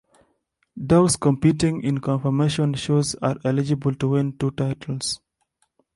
Dogs competing in conformation shows are eligible to win two titles.